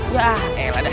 ya elah dah